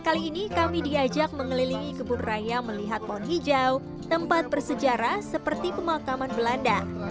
kali ini kami diajak mengelilingi kebun raya melihat pohon hijau tempat bersejarah seperti pemakaman belanda